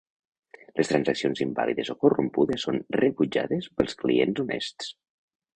Les transaccions invàlides o corrompudes són rebutjades pels clients honests.